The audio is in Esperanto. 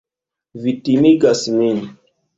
Vi timigas min.